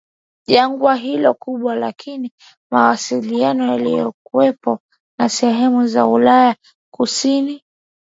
jangwa hilo kubwa Lakini mawasiliano yalikuwepo na sehemu za Ulaya Kusini